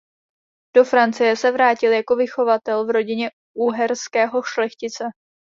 Do Francie se vrátil jako vychovatel v rodině uherského šlechtice.